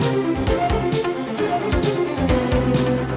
hẹn gặp lại